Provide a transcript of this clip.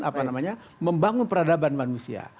apa namanya membangun peradaban manusia